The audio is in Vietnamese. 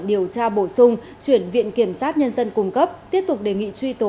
điều tra bổ sung chuyển viện kiểm sát nhân dân cung cấp tiếp tục đề nghị truy tố